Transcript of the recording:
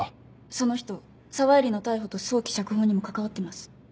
その人沢入の逮捕と早期釈放にも関わってます。